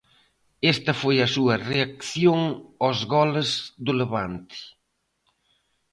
Esta foi a súa reacción aos goles do Levante.